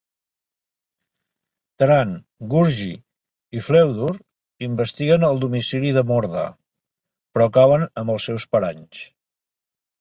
Taran, Gurgi i Fflewddur investiguen el domicili de Morda, però cauen en els seus paranys.